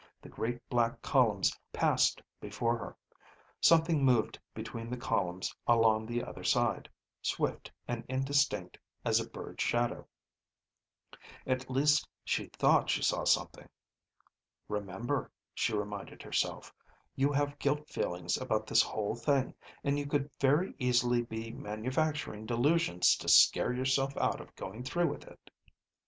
The great black columns passed before her. Something moved between the columns along the other side, swift and indistinct as a bird's shadow. At least she thought she saw something. "Remember," she reminded herself, "you have guilt feelings about this whole thing, and you could very easily be manufacturing delusions to scare yourself out of going through with it."